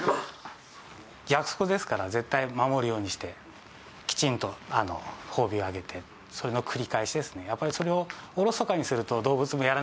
約束ですから絶対守るようにしてきちんと褒美をあげてその繰り返しですね。